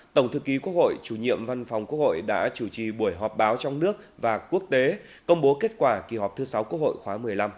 tổng thư ký quốc hội chủ nhiệm văn phòng quốc hội đã chủ trì buổi họp báo trong nước và quốc tế công bố kết quả kỳ họp thứ sáu quốc hội khóa một mươi năm